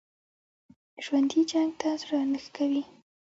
ژوندي جنګ ته زړه نه ښه کوي